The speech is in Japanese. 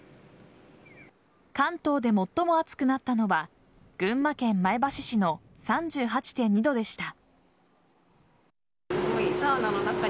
関東で最も暑くなったのは群馬県前橋市の３８．２度でした。